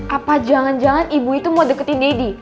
apa jangan jangan ibu itu mau deketin deddy